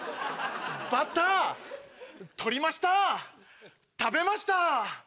バッター捕りました食べました！